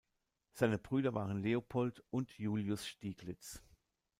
Seine Brüder waren Leopold und Julius Stieglitz.